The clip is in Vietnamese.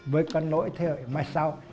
với con nỗi thế hệ mai sau